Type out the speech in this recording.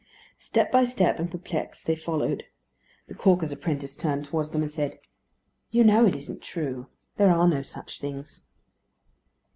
Step by step, and perplexed, they followed. The caulker's apprentice turned towards them and said "You know it isn't true. There are no such things."